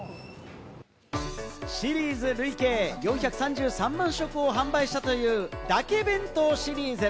シリーズ累計４３３万食を販売したという「だけ弁当」シリーズ。